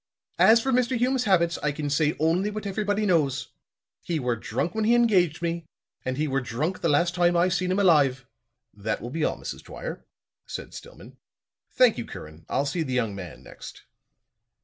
As for Mr. Hume's habits, I can say only what everybody knows. He were drunk when he engaged me, and he were drunk the last time I seen him alive." "That will be all, Mrs. Dwyer," said Stillman. "Thank you. Curran, I'll see the young man next."